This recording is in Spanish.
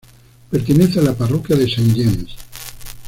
Pertenece a la parroquia de Saint James.